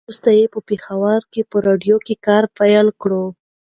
وروسته یې په پېښور کې په راډيو کې کار پیل کړ.